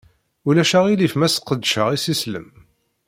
Ulac aɣilif ma sqedceɣ isislem?